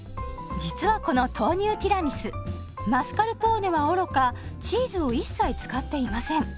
実はこの豆乳ティラミスマスカルポーネはおろかチーズを一切使っていません。